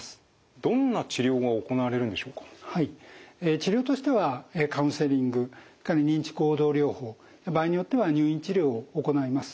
治療としてはカウンセリング認知行動療法場合によっては入院治療を行います。